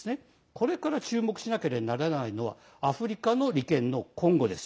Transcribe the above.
これから注目しなければならないのはアフリカ利権の今後です。